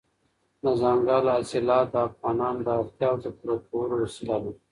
دځنګل حاصلات د افغانانو د اړتیاوو د پوره کولو وسیله ده.